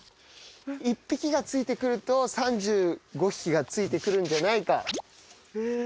１匹がついて来ると３５匹がついて来るんじゃないか。